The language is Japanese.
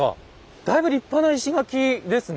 だいぶ立派な石垣ですね。